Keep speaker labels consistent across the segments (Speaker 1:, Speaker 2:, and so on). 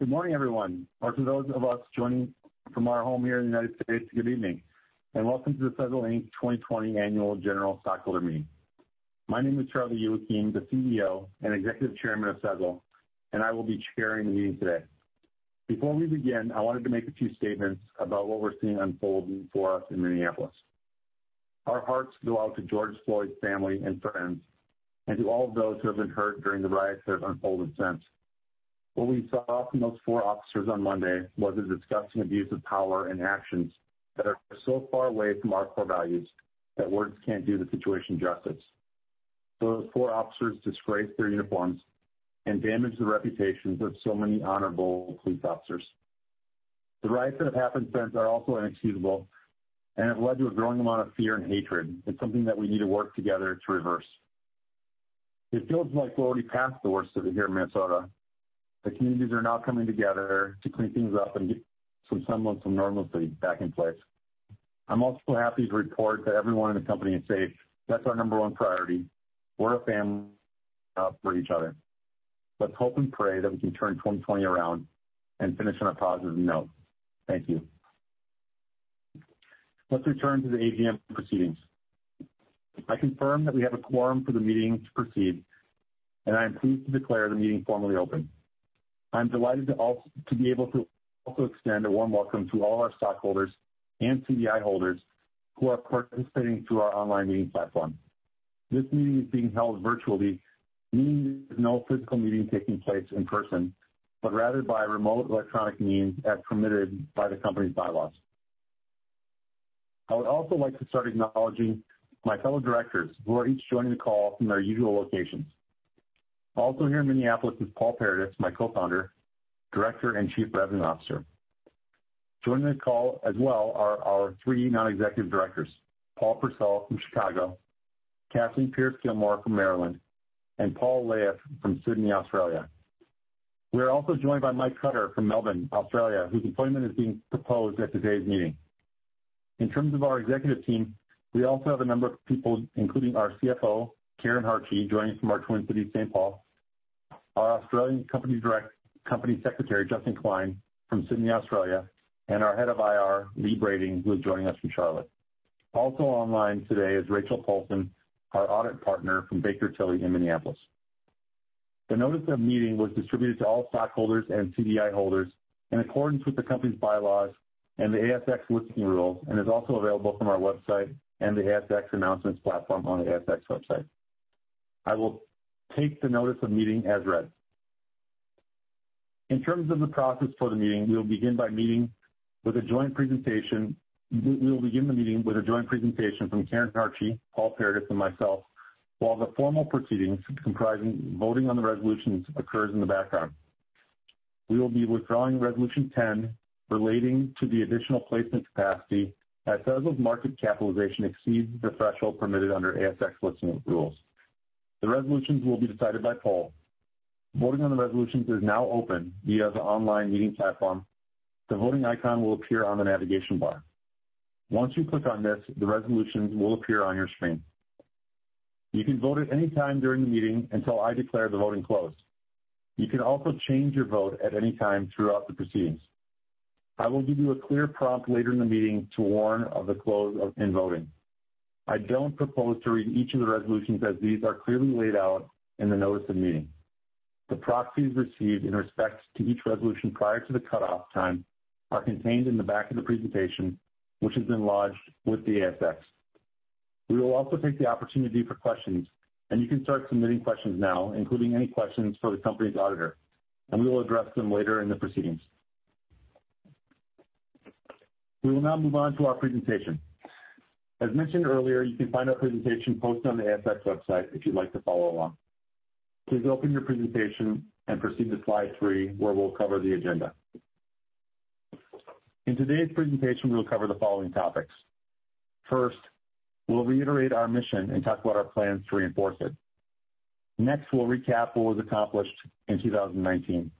Speaker 1: Good morning, everyone, or for those of us joining from our home here in the United States, good evening, and welcome to the Sezzle Inc 2020 Annual General Stockholder Meeting. My name is Charlie Youakim, the CEO and Executive Chairman of Sezzle, and I will be chairing the meeting today. Before we begin, I wanted to make a few statements about what we're seeing unfolding for us in Minneapolis. Our hearts go out to George Floyd's family and friends, and to all of those who have been hurt during the riots that have unfolded since. What we saw from those four officers on Monday was a disgusting abuse of power and actions that are so far away from our core values that words can't do the situation justice. Those four officers disgraced their uniforms and damaged the reputations of so many honorable police officers. The riots that have happened since are also inexcusable and have led to a growing amount of fear and hatred. It's something that we need to work together to reverse. It feels like we're already past the worst of it here in Minnesota. The communities are now coming together to clean things up and get some semblance of normalcy back in place. I'm also happy to report that everyone in the company is safe. That's our number one priority. We're a family out for each other. Let's hope and pray that we can turn 2020 around and finish on a positive note. Thank you. Let's return to the AGM proceedings. I confirm that we have a quorum for the meeting to proceed, and I am pleased to declare the meeting formally open. I'm delighted to be able to also extend a warm welcome to all of our stockholders and CDI holders who are participating through our online meeting platform. This meeting is being held virtually, meaning there's no physical meeting taking place in person, but rather by remote electronic means as permitted by the company's bylaws. I would also like to start acknowledging my fellow Directors who are each joining the call from their usual locations. Also here in Minneapolis is Paul Paradis, my Co-Founder, Director, and Chief Revenue Officer. Joining the call as well are our three Non-Executive Directors, Paul Purcell from Chicago, Kathleen Pierce-Gilmore from Maryland, and Paul Lahiff from Sydney, Australia. We are also joined by Mike Cutter from Melbourne, Australia, whose appointment is being proposed at today's meeting. In terms of our executive team, we also have a number of people, including our CFO, Karen Hartje, joining from our Twin Cities, St. Paul, our Australian company secretary, Justin Clyne, from Sydney, Australia, and our head of IR, Lee Brading, who is joining us from Charlotte. Also online today is Rachel Polson, our audit partner from Baker Tilly in Minneapolis. The notice of the meeting was distributed to all stockholders and CDI holders in accordance with the company's bylaws and the ASX listing rules and is also available from our website and the ASX announcements platform on the ASX website. I will take the notice of meeting as read. In terms of the process for the meeting, we will begin the meeting with a joint presentation from Karen Hartje, Paul Paradis, and myself while the formal proceedings comprising voting on the resolutions occurs in the background. We will be withdrawing resolution 10 relating to the additional placement capacity as Sezzle's market capitalization exceeds the threshold permitted under ASX listing rules. The resolutions will be decided by poll. Voting on the resolutions is now open via the online meeting platform. The voting icon will appear on the navigation bar. Once you click on this, the resolutions will appear on your screen. You can vote at any time during the meeting until I declare the voting closed. You can also change your vote at any time throughout the proceedings. I will give you a clear prompt later in the meeting to warn of the close in voting. I don't propose to read each of the resolutions as these are clearly laid out in the notice of meeting. The proxies received in respect to each resolution prior to the cutoff time are contained in the back of the presentation, which has been lodged with the ASX. We will also take the opportunity for questions, and you can start submitting questions now, including any questions for the company's auditor, and we will address them later in the proceedings. We will now move on to our presentation. As mentioned earlier, you can find our presentation posted on the ASX website if you'd like to follow along. Please open your presentation and proceed to slide three, where we'll cover the agenda. In today's presentation, we'll cover the following topics. First, we'll reiterate our mission and talk about our plans to reinforce it. Next, we'll recap what was accomplished in 2019.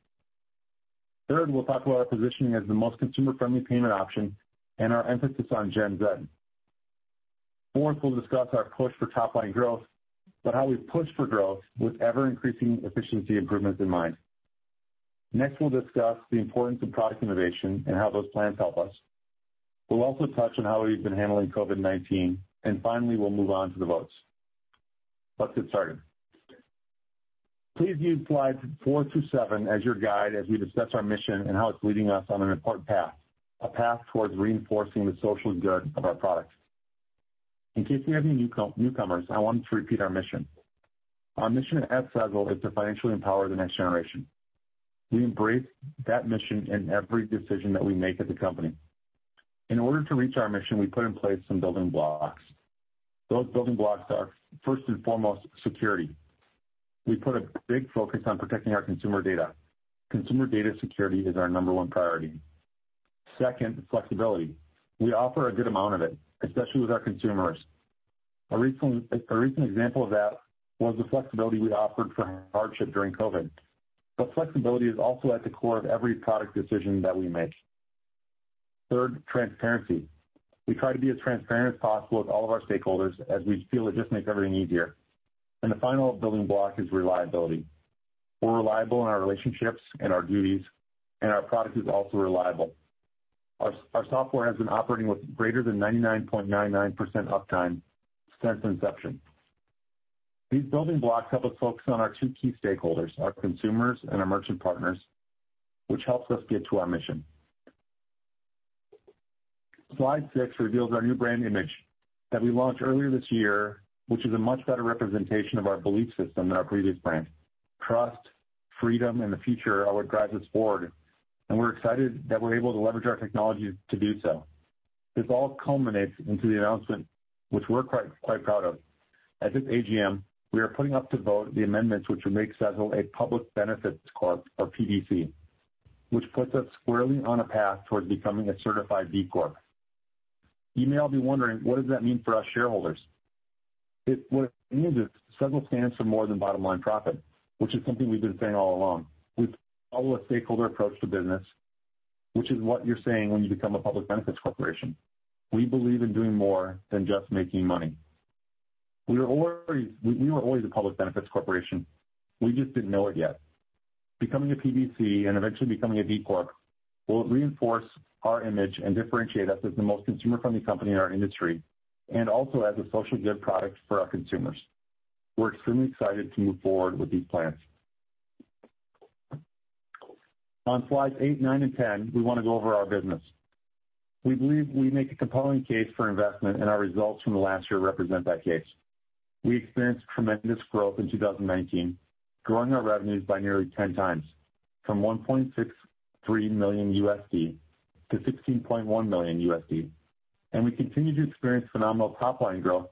Speaker 1: Third, we'll talk about our positioning as the most consumer-friendly payment option and our emphasis on Gen Z. Fourth, we'll discuss our push for top-line growth, but how we've pushed for growth with ever-increasing efficiency improvements in mind. We'll discuss the importance of product innovation and how those plans help us. We'll also touch on how we've been handling COVID-19, and finally, we'll move on to the votes. Let's get started. Please view slides four through seven as your guide as we discuss our mission and how it's leading us on an important path, a path towards reinforcing the social good of our products. In case we have any newcomers, I wanted to repeat our mission. Our mission at Sezzle is to financially empower the next generation. We embrace that mission in every decision that we make as a company. In order to reach our mission, we put in place some building blocks. Those building blocks are, first and foremost, security. We put a big focus on protecting our consumer data. Consumer data security is our number one priority. Second, flexibility. We offer a good amount of it, especially with our consumers. A recent example of that was the flexibility we offered for hardship during COVID. Flexibility is also at the core of every product decision that we make. Third, transparency. We try to be as transparent as possible with all of our stakeholders as we feel it just makes everything easier. The final building block is reliability. We're reliable in our relationships and our duties, and our product is also reliable. Our software has been operating with greater than 99.99% uptime since inception. These building blocks help us focus on our two key stakeholders, our consumers, and our merchant partners, which helps us get to our mission. Slide six reveals our new brand image that we launched earlier this year, which is a much better representation of our belief system than our previous brand. Trust, freedom, and the future are what drives us forward, and we're excited that we're able to leverage our technology to do so. This all culminates into the announcement, which we're quite proud of. At this AGM, we are putting up to vote the amendments which will make Sezzle a public benefits corp, or PBC, which puts us squarely on a path towards becoming a certified B Corp. You may all be wondering, what does that mean for our shareholders? What it means is Sezzle stands for more than bottom-line profit, which is something we've been saying all along. We follow a stakeholder approach to business, which is what you're saying when you become a public benefits corporation. We believe in doing more than just making money. We were always a public benefit corporation. We just didn't know it yet. Becoming a PBC and eventually becoming a B Corp will reinforce our image and differentiate us as the most consumer-friendly company in our industry, and also as a social good product for our consumers. We're extremely excited to move forward with these plans. On slides eight, nine, and 10, we want to go over our business. We believe we make a compelling case for investment. Our results from the last year represent that case. We experienced tremendous growth in 2019, growing our revenues by nearly 10x, from $1.63 million to $16.1 million. We continue to experience phenomenal top-line growth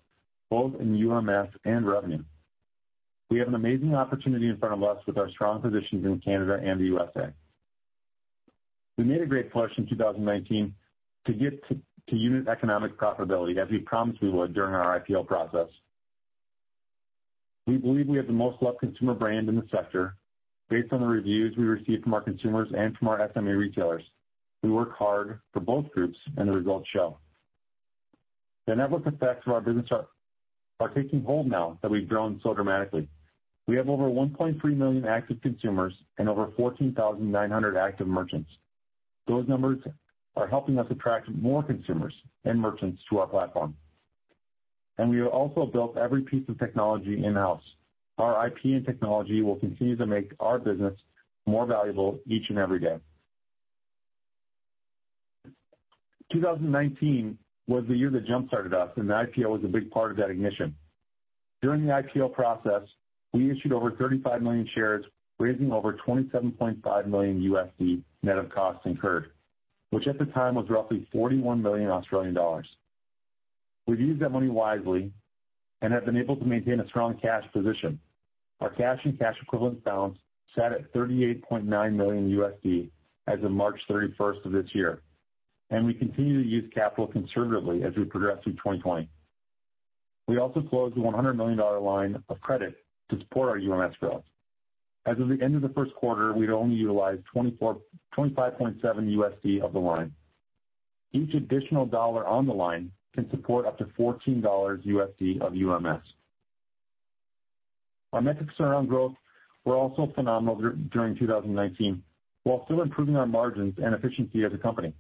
Speaker 1: both in UMS and revenue. We have an amazing opportunity in front of us with our strong positions in Canada and the USA. We made a great push in 2019 to get to unit economic profitability as we promised we would during our IPO process. We believe we have the most loved consumer brand in the sector based on the reviews we receive from our consumers and from our SME retailers. We work hard for both groups and the results show. The network effects of our business are taking hold now that we've grown so dramatically. We have over 1.3 million active consumers and over 14,900 active merchants. Those numbers are helping us attract more consumers and merchants to our platform. We have also built every piece of technology in-house. Our IP and technology will continue to make our business more valuable each and every day. 2019 was the year that jumpstarted us, and the IPO was a big part of that ignition. During the IPO process, we issued over 35 million shares, raising over $27.5 million net of costs incurred, which at the time was roughly 41 million Australian dollars. We've used that money wisely and have been able to maintain a strong cash position. Our cash and cash equivalent balance sat at $38.9 million as of March 31st of this year. We continue to use capital conservatively as we progress through 2020. We also closed a $100 million line of credit to support our UMS growth. As of the end of the first quarter, we'd only utilized $25.7 of the line. Each additional dollar on the line can support up to $14 of UMS. Our metrics around growth were also phenomenal during 2019, while still improving our margins and efficiency as a company.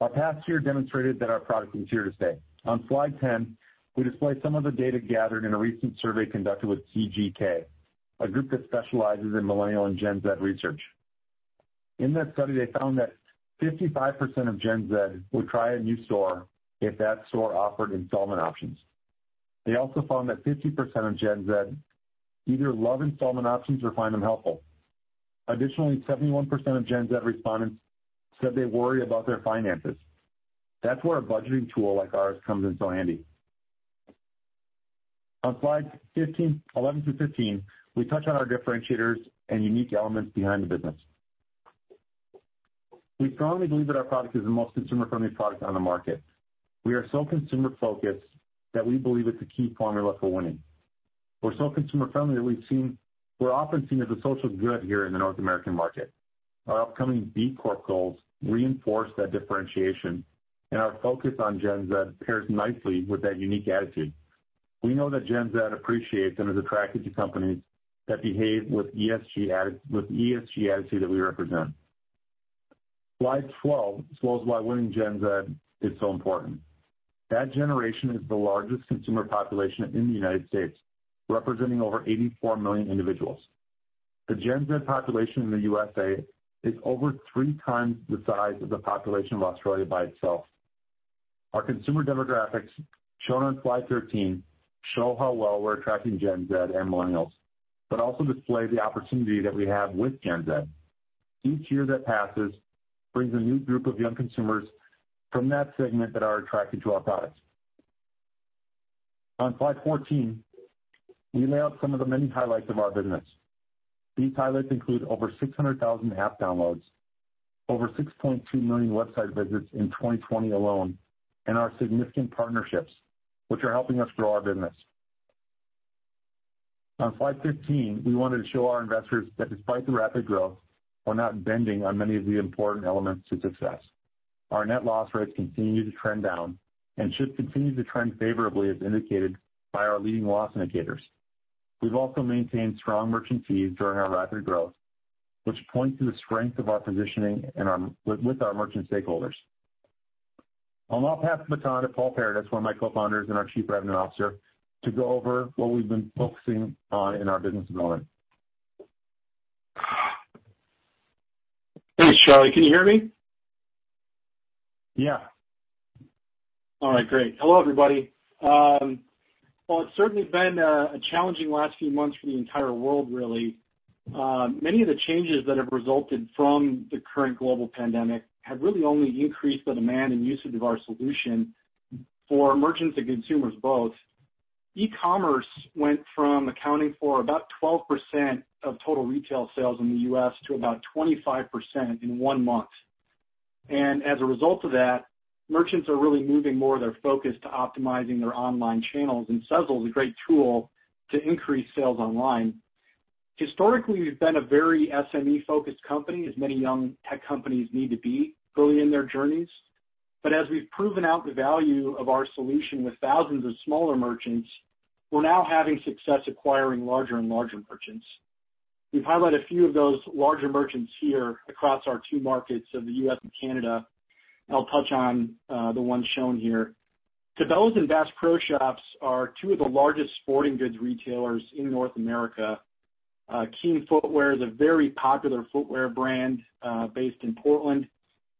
Speaker 1: Our past year demonstrated that our product is here to stay. On slide 10, we display some of the data gathered in a recent survey conducted with CGK, a group that specializes in Millennial and Gen Z research. In that study, they found that 55% of Gen Z would try a new store if that store offered installment options. They also found that 50% of Gen Z either love installment options or find them helpful. Additionally, 71% of Gen Z respondents said they worry about their finances. That's where a budgeting tool like ours comes in so handy. On slides 11 through 15, we touch on our differentiators and unique elements behind the business. We firmly believe that our product is the most consumer-friendly product on the market. We are so consumer-focused that we believe it's a key formula for winning. We're so consumer-friendly that we're often seen as a social good here in the North American market. Our upcoming B Corp goals reinforce that differentiation and our focus on Gen Z pairs nicely with that unique attitude. We know that Gen Z appreciates and is attracted to companies that behave with ESG attitude that we represent. Slide 12 explores why winning Gen Z is so important. That generation is the largest consumer population in the U.S., representing over 84 million individuals. The Gen Z population in the U.S.A. is over three times the size of the population of Australia by itself. Our consumer demographics shown on slide 13 show how well we're attracting Gen Z and Millennials, but also display the opportunity that we have with Gen Z. Each year that passes brings a new group of young consumers from that segment that are attracted to our products. On slide 14, we lay out some of the many highlights of our business. These highlights include over 600,000 app downloads, over 6.2 million website visits in 2020 alone, and our significant partnerships, which are helping us grow our business. On slide 15, we wanted to show our investors that despite the rapid growth, we're not bending on many of the important elements to success. Our net loss rates continue to trend down and should continue to trend favorably as indicated by our leading loss indicators. We've also maintained strong merchant fees during our rapid growth, which point to the strength of our positioning with our merchant stakeholders. I'll now pass the baton to Paul Paradis, one of my co-founders and our Chief Revenue Officer, to go over what we've been focusing on in our business development.
Speaker 2: Thanks, Charlie. Can you hear me?
Speaker 1: Yeah.
Speaker 2: All right, great. Hello, everybody. Well, it's certainly been a challenging last few months for the entire world, really. Many of the changes that have resulted from the current global pandemic have really only increased the demand and usage of our solution for merchants and consumers both. E-commerce went from accounting for about 12% of total retail sales in the U.S. to about 25% in one month. As a result of that, merchants are really moving more of their focus to optimizing their online channels, and Sezzle is a great tool to increase sales online. Historically, we've been a very SME-focused company, as many young tech companies need to be early in their journeys. As we've proven out the value of our solution with thousands of smaller merchants, we're now having success acquiring larger and larger merchants. We've highlighted a few of those larger merchants here across our two markets of the U.S. and Canada. I'll touch on the ones shown here. Cabela's and Bass Pro Shops are two of the largest sporting goods retailers in North America. KEEN Footwear is a very popular footwear brand, based in Portland.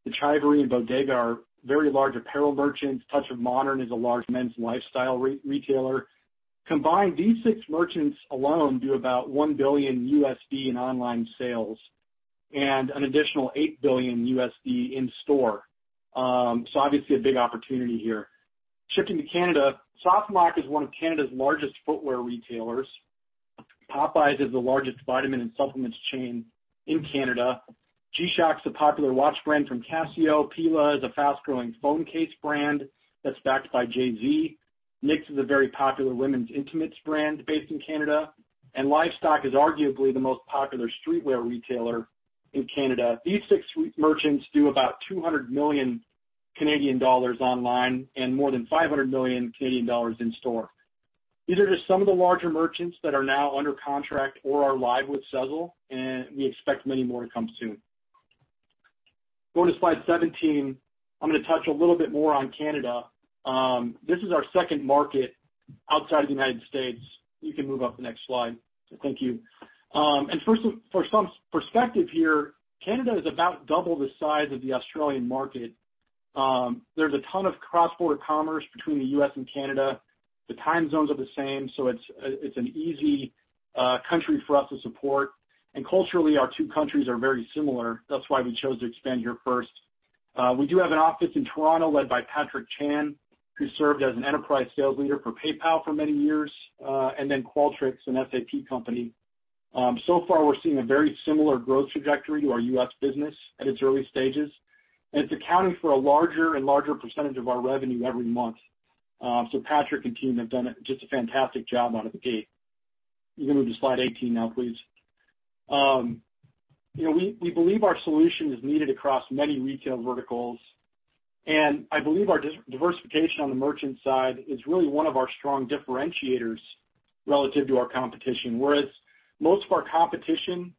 Speaker 2: The Chivery and Bodega are very large apparel merchants. Touch of Modern is a large men's lifestyle retailer. Combined, these six merchants alone do about $1 billion in online sales and an additional $8 billion in store. Obviously, a big opportunity here. Shifting to Canada, SoftMoc is one of Canada's largest footwear retailers. Popeye's is the largest vitamin and supplements chain in Canada. G-SHOCK is a popular watch brand from Casio. Pela is a fast-growing phone case brand that's backed by Jay-Z. Knix is a very popular women's intimates brand based in Canada. Livestock is arguably the most popular streetwear retailer in Canada. These six merchants do about 200 million Canadian dollars online and more than 500 million Canadian dollars in store. These are just some of the larger merchants that are now under contract or are live with Sezzle, and we expect many more to come soon. Going to slide 17, I'm going to touch a little bit more on Canada. This is our second market outside of the U.S. You can move up the next slide. Thank you. For some perspective here, Canada is about double the size of the Australian market. There's a ton of cross-border commerce between the U.S. and Canada. The time zones are the same, so it's an easy country for us to support. Culturally, our two countries are very similar. That's why we chose to expand here first. We do have an office in Toronto led by Patrick Chan, who served as an enterprise sales leader for PayPal for many years, and then Qualtrics, an SAP company. Far, we're seeing a very similar growth trajectory to our U.S. business at its early stages. It's accounting for a larger and larger percentage of our revenue every month. Patrick and team have done just a fantastic job out of the gate. You can move to slide 18 now, please. We believe our solution is needed across many retail verticals, and I believe our diversification on the merchant side is really one of our strong differentiators relative to our competition. Whereas most of our competition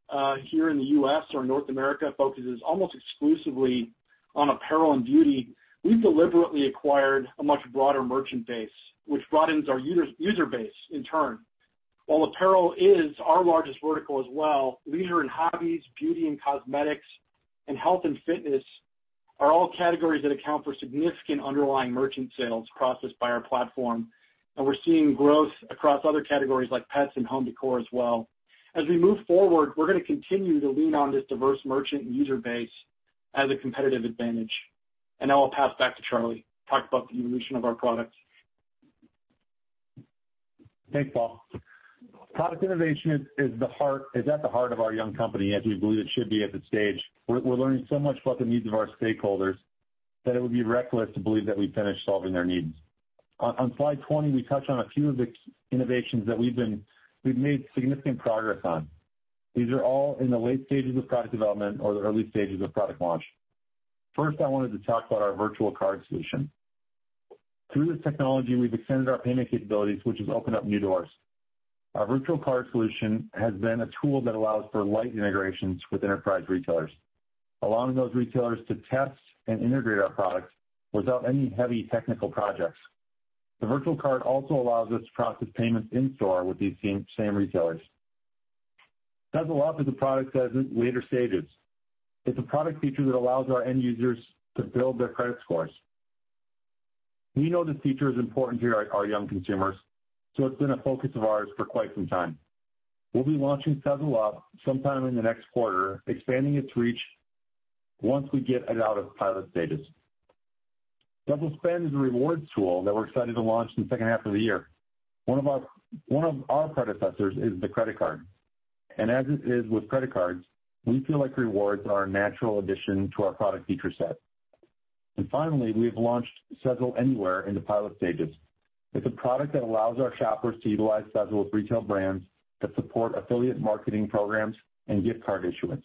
Speaker 2: here in the U.S. or North America focuses almost exclusively on apparel and beauty, we've deliberately acquired a much broader merchant base, which broadens our user base in turn. While apparel is our largest vertical as well, leisure and hobbies, beauty and cosmetics, and health and fitness are all categories that account for significant underlying merchant sales processed by our platform. We're seeing growth across other categories like pets and home decor as well. As we move forward, we're going to continue to lean on this diverse merchant and user base as a competitive advantage. Now I'll pass back to Charlie to talk about the evolution of our products.
Speaker 1: Thanks, Paul. Product innovation is at the heart of our young company, as we believe it should be at this stage. We're learning so much about the needs of our stakeholders that it would be reckless to believe that we've finished solving their needs. On slide 20, we touch on a few of the innovations that we've made significant progress on. These are all in the late stages of product development or the early stages of product launch. First, I wanted to talk about our virtual card solution. Through this technology, we've extended our payment capabilities, which has opened up new doors. Our virtual card solution has been a tool that allows for light integrations with enterprise retailers, allowing those retailers to test and integrate our products without any heavy technical projects. The virtual card also allows us to process payments in-store with these same retailers. Sezzle Up is a product that is in later stages. It's a product feature that allows our end users to build their credit scores. We know this feature is important to our young consumers, so it's been a focus of ours for quite some time. We'll be launching Sezzle Up sometime in the next quarter, expanding its reach once we get it out of pilot stages. Sezzle Spend is a rewards tool that we're excited to launch in the second half of the year. One of our predecessors is the credit card. As it is with credit cards, we feel like rewards are a natural addition to our product feature set. Finally, we have launched Sezzle Anywhere in the pilot stages. It's a product that allows our shoppers to utilize Sezzle with retail brands that support affiliate marketing programs and gift card issuance.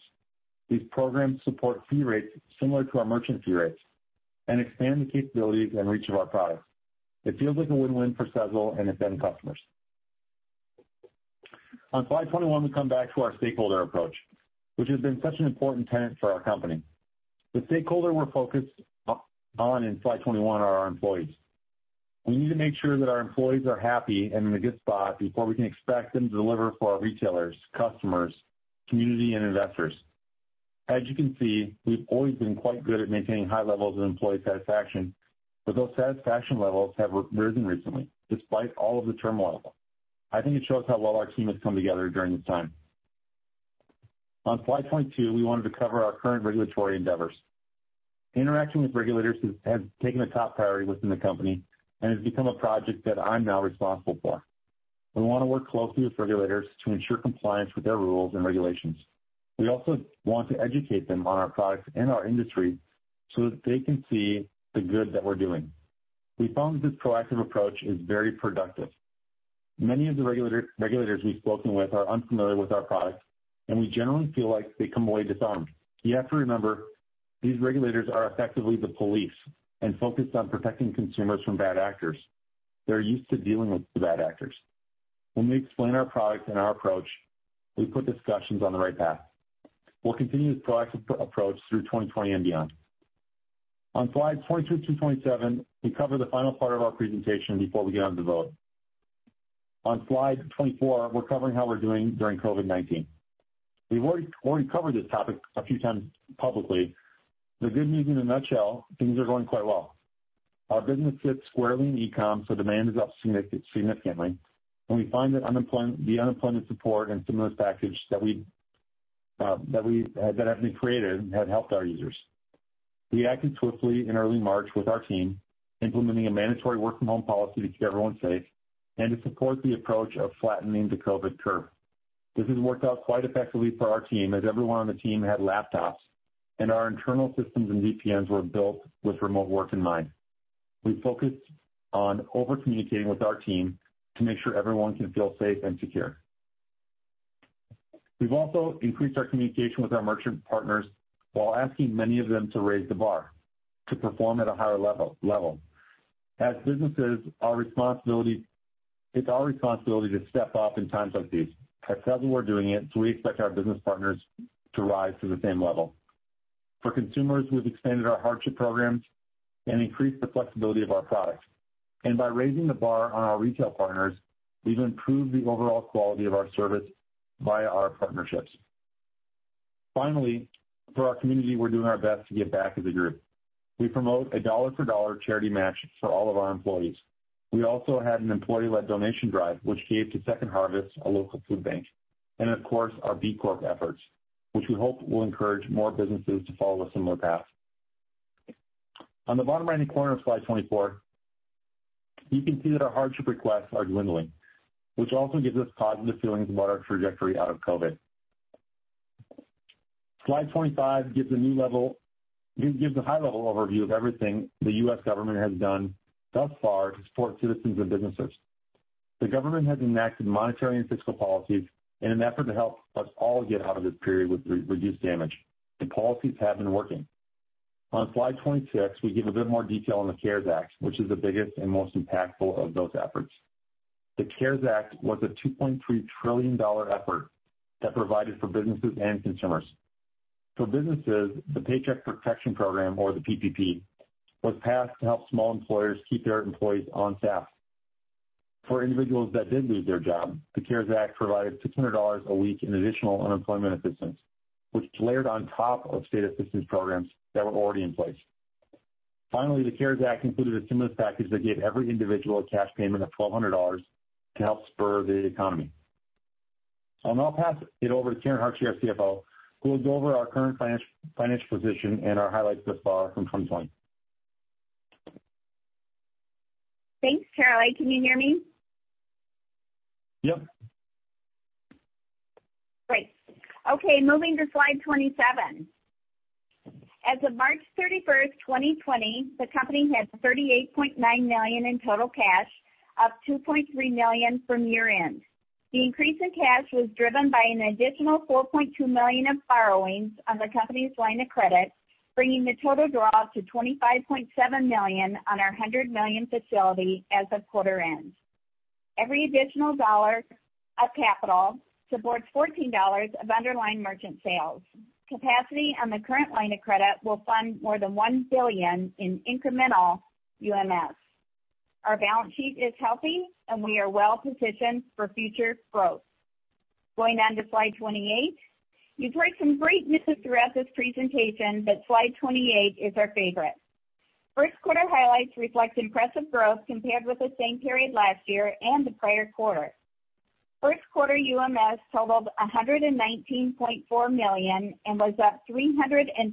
Speaker 1: These programs support fee rates similar to our merchant fee rates and expand the capabilities and reach of our product. It feels like a win-win for Sezzle and its end customers. On slide 21, we come back to our stakeholder approach, which has been such an important tenet for our company. The stakeholder we're focused on in slide 21 are our employees. We need to make sure that our employees are happy and in a good spot before we can expect them to deliver for our retailers, customers, community, and investors. As you can see, we've always been quite good at maintaining high levels of employee satisfaction, those satisfaction levels have risen recently despite all of the turmoil. I think it shows how well our team has come together during this time. On slide 22, we wanted to cover our current regulatory endeavors. Interacting with regulators has taken a top priority within the company and has become a project that I'm now responsible for. We want to work closely with regulators to ensure compliance with their rules and regulations. We also want to educate them on our products and our industry so that they can see the good that we're doing. We found this proactive approach is very productive. Many of the regulators we've spoken with are unfamiliar with our products, and we generally feel like they come away disarmed. You have to remember, these regulators are effectively the police and focused on protecting consumers from bad actors. They're used to dealing with the bad actors. When we explain our product and our approach, we put discussions on the right path. We'll continue this proactive approach through 2020 and beyond. On slide 22 to 27, we cover the final part of our presentation before we get on to vote. On slide 24, we're covering how we're doing during COVID-19. We've already covered this topic a few times publicly. The good news in a nutshell, things are going quite well. Our business sits squarely in e-com, so demand is up significantly, and we find the unemployment support and stimulus package that have been created have helped our users. We acted swiftly in early March with our team, implementing a mandatory work-from-home policy to keep everyone safe and to support the approach of flattening the COVID curve. This has worked out quite effectively for our team, as everyone on the team had laptops, and our internal systems and VPNs were built with remote work in mind. We focused on over-communicating with our team to make sure everyone can feel safe and secure. We've also increased our communication with our merchant partners while asking many of them to raise the bar to perform at a higher level. As businesses, it's our responsibility to step up in times like these. At Sezzle, we're doing it, so we expect our business partners to rise to the same level. For consumers, we've expanded our hardship programs and increased the flexibility of our products. By raising the bar on our retail partners, we've improved the overall quality of our service via our partnerships. Finally, for our community, we're doing our best to give back as a group. We promote a dollar for dollar charity match for all of our employees. We also had an employee-led donation drive which gave to Second Harvest, a local food bank. Of course, our B Corp efforts, which we hope will encourage more businesses to follow a similar path. On the bottom right-hand corner of slide 24, you can see that our hardship requests are dwindling, which also gives us positive feelings about our trajectory out of COVID. Slide 25 gives a high-level overview of everything the US government has done thus far to support citizens and businesses. The government has enacted monetary and fiscal policies in an effort to help us all get out of this period with reduced damage. The policies have been working. On slide 26, we give a bit more detail on the CARES Act, which is the biggest and most impactful of those efforts. The CARES Act was a $2.3 trillion effort that provided for businesses and consumers. For businesses, the Paycheck Protection Program, or the PPP, was passed to help small employers keep their employees on staff. For individuals that did lose their job, the CARES Act provided $600 a week in additional unemployment assistance, which layered on top of state assistance programs that were already in place. Finally, the CARES Act included a stimulus package that gave every individual a cash payment of $1,200 to help spur the economy. I'll now pass it over to Karen Hartje, CFO, who will go over our current financial position and our highlights thus far from 2020.
Speaker 3: Thanks, Charlie. Can you hear me?
Speaker 1: Yep.
Speaker 3: Great. Okay, moving to slide 27. As of March 31st, 2020, the company had $38.9 million in total cash, up $2.3 million from year-end. The increase in cash was driven by an additional $4.2 million of borrowings on the company's line of credit, bringing the total draw to $25.7 million on our $100 million facility as of quarter-end. Every additional dollar of capital supports $14 of underlying merchant sales. Capacity on the current line of credit will fund more than $1 billion in incremental UMS. Our balance sheet is healthy, and we are well-positioned for future growth. Going on to slide 28. You've heard some great news throughout this presentation, but slide 28 is our favorite. First quarter highlights reflect impressive growth compared with the same period last year and the prior quarter. First quarter UMS totaled $119.4 million and was up 321%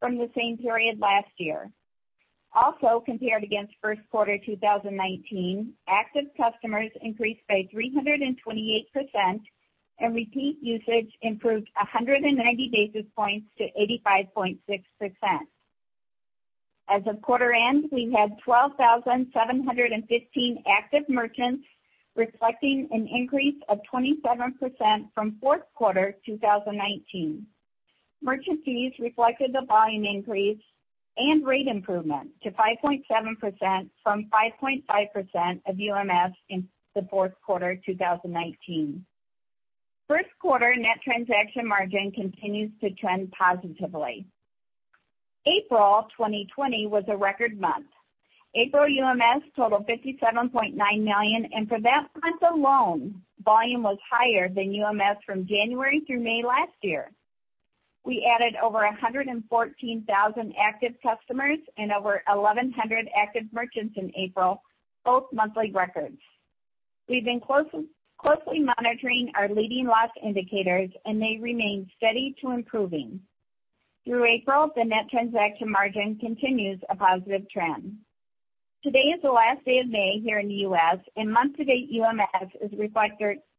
Speaker 3: from the same period last year. Compared against first quarter 2019, active customers increased by 328%, and repeat usage improved 190 basis points to 85.6%. As of quarter end, we had 12,715 active merchants, reflecting an increase of 27% from fourth quarter 2019. Merchant fees reflected the volume increase and rate improvement to 5.7% from 5.5% of UMS in the fourth quarter 2019. First quarter net transaction margin continues to trend positively. April 2020 was a record month. April UMS totaled $57.9 million, and for that month alone, volume was higher than UMS from January through May last year. We added over 114,000 active customers and over 1,100 active merchants in April, both monthly records. We've been closely monitoring our leading loss indicators, and they remain steady to improving. Through April, the net transaction margin continues a positive trend. Today is the last day of May here in the U.S. Month-to-date UMS is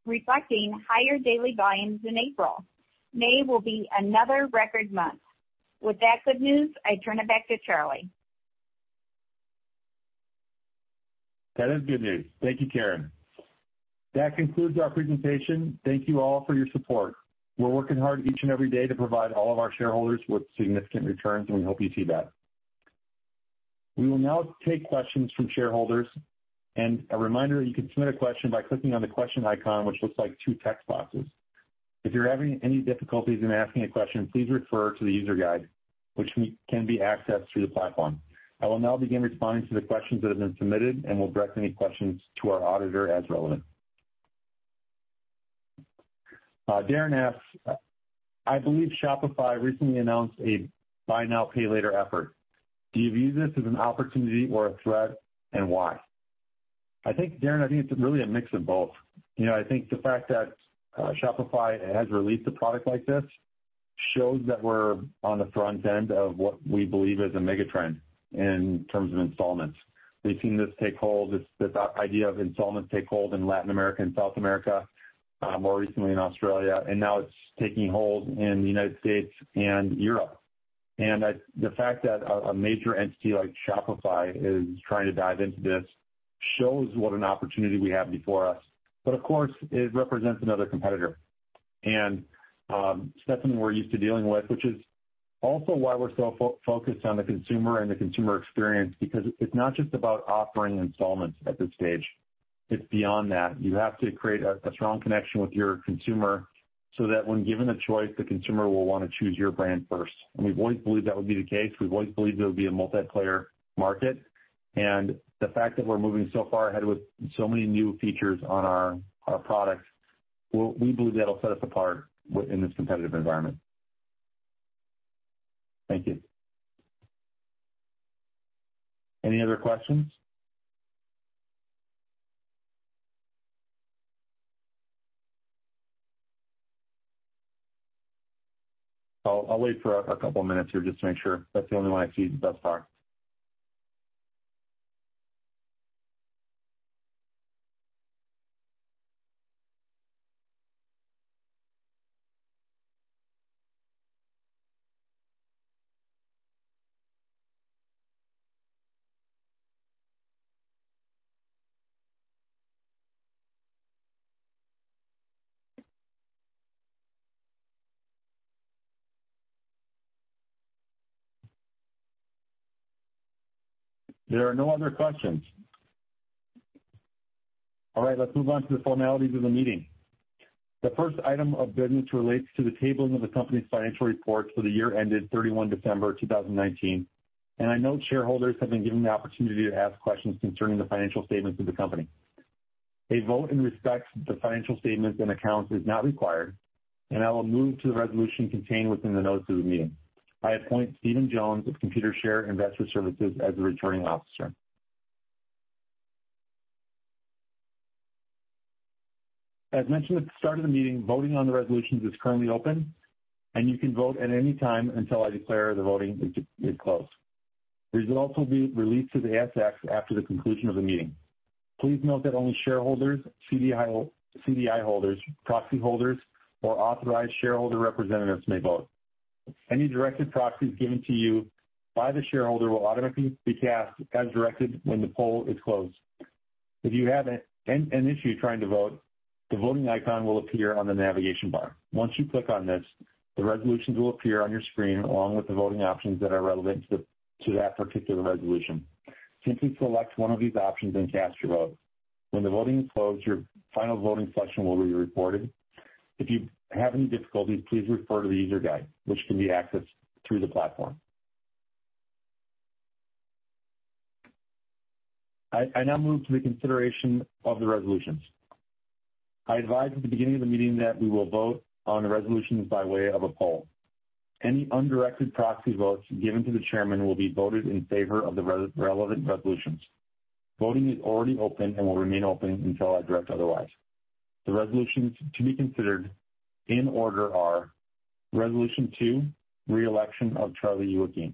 Speaker 3: reflecting higher daily volumes in April. May will be another record month. With that good news, I turn it back to Charlie.
Speaker 1: That is good news. Thank you, Karen. That concludes our presentation. Thank you all for your support. We're working hard each and every day to provide all of our shareholders with significant returns, and we hope you see that. We will now take questions from shareholders, and a reminder that you can submit a question by clicking on the question icon, which looks like two text boxes. If you're having any difficulties in asking a question, please refer to the user guide, which can be accessed through the platform. I will now begin responding to the questions that have been submitted and will direct any questions to our auditor as relevant. Darren asks, "I believe Shopify recently announced a buy now, pay later effort. Do you view this as an opportunity or a threat, and why?" Darren, I think it's really a mix of both. I think the fact that Shopify has released a product like this shows that we're on the front end of what we believe is a mega trend in terms of installments. We've seen this idea of installments take hold in Latin America and South America, more recently in Australia, and now it's taking hold in the United States and Europe. The fact that a major entity like Shopify is trying to dive into this shows what an opportunity we have before us. Of course, it represents another competitor. It's nothing we're used to dealing with, which is also why we're so focused on the consumer and the consumer experience because it's not just about offering installments at this stage. It's beyond that. You have to create a strong connection with your consumer so that when given the choice, the consumer will want to choose your brand first. We've always believed that would be the case. We've always believed it would be a multiplayer market. The fact that we're moving so far ahead with so many new features on our products, we believe that'll set us apart in this competitive environment. Thank you. Any other questions? I'll wait for a couple of minutes here just to make sure. That's the only one I see thus far. There are no other questions. All right. Let's move on to the formalities of the meeting. The first item of business relates to the tabling of the company's financial reports for the year ended 31 December 2019, and I note shareholders have been given the opportunity to ask questions concerning the financial statements of the company. A vote in respect to the financial statements and accounts is not required, and I will move to the resolution contained within the notice of the meeting. I appoint Steven Jones of Computershare Investor Services as the returning officer. As mentioned at the start of the meeting, voting on the resolutions is currently open, and you can vote at any time until I declare the voting is closed. Results will be released to the ASX after the conclusion of the meeting. Please note that only shareholders, CDI holders, proxy holders, or authorized shareholder representatives may vote. Any directed proxies given to you by the shareholder will automatically be cast as directed when the poll is closed. If you have an issue trying to vote, the voting icon will appear on the navigation bar. Once you click on this, the resolutions will appear on your screen along with the voting options that are relevant to that particular resolution. Simply select one of these options and cast your vote. When the voting is closed, your final voting selection will be recorded. If you have any difficulties, please refer to the user guide, which can be accessed through the platform. I now move to the consideration of the resolutions. I advised at the beginning of the meeting that we will vote on the resolutions by way of a poll. Any undirected proxy votes given to the chairman will be voted in favor of the relevant resolutions. Voting is already open and will remain open until I direct otherwise. The resolutions to be considered in order are: Resolution two, re-election of Charlie Youakim.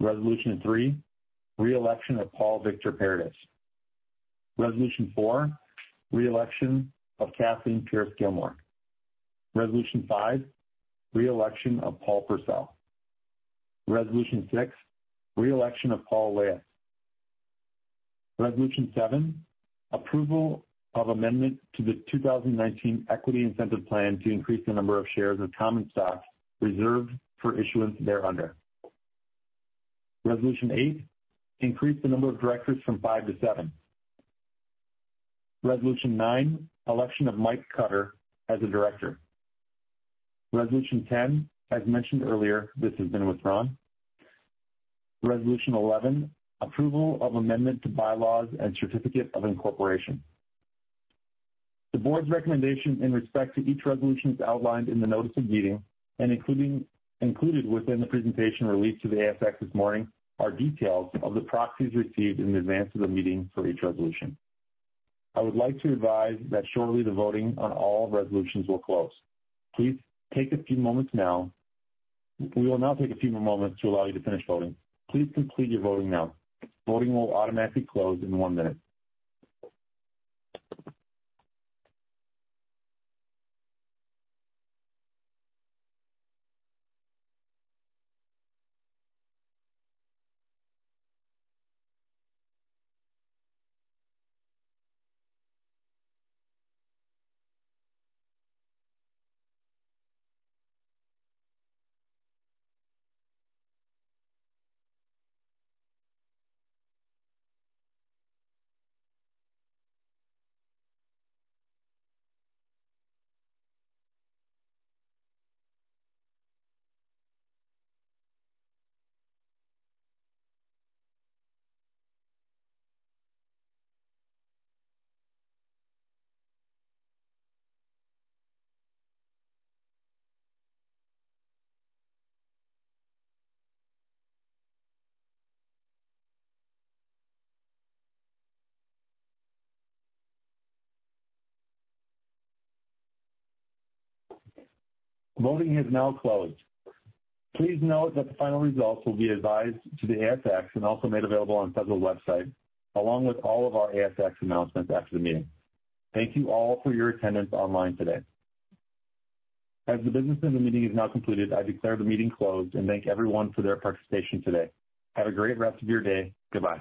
Speaker 1: Resolution three, re-election of Paul Victor Paradis. Resolution four, re-election of Kathleen Pierce-Gilmore. Resolution five, re-election of Paul Purcell. Resolution six, re-election of Paul Lahiff. Resolution seven, approval of amendment to the 2019 equity incentive plan to increase the number of shares of common stocks reserved for issuance thereunder. Resolution eight, increase the number of directors from 5-7. Resolution nine, election of Mike Cutter as a director. Resolution 10, as mentioned earlier, this has been withdrawn. Resolution 11, approval of amendment to bylaws and certificate of incorporation. The board's recommendation in respect to each resolution is outlined in the notice of meeting and included within the presentation released to the ASX this morning are details of the proxies received in advance of the meeting for each resolution. I would like to advise that shortly the voting on all resolutions will close. We will now take a few more moments to allow you to finish voting. Please complete your voting now. Voting will automatically close in one minute. Voting is now closed. Please note that the final results will be advised to the ASX and also made available on Sezzle website, along with all of our ASX announcements after the meeting. Thank you all for your attendance online today. As the business of the meeting is now concluded, I declare the meeting closed and thank everyone for their participation today. Have a great rest of your day. Goodbye.